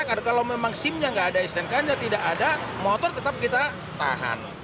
karena kalau memang simnya nggak ada istankannya tidak ada motor tetap kita tahan